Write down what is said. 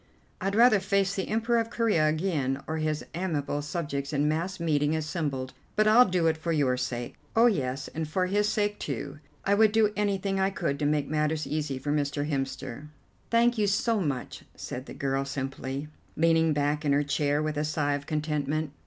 "I'd rather face the Emperor of Corea again, or his amiable subjects in mass meeting assembled, but I'll do it for your sake. Oh, yes, and for his sake, too; I would do anything I could to make matters easy for Mr. Hemster." "Thank you so much," said the girl simply, leaning back in her chair with a sigh of contentment.